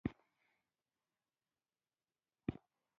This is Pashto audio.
بریدمن وویل زه خپله عقیده پرې لرم.